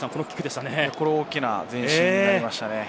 大きな前進になりましたね。